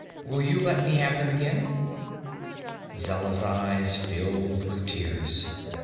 Will you let me have them again?" Zella's eyes filled with tears.